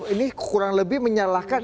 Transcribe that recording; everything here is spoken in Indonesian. ini kurang lebih menyalahkan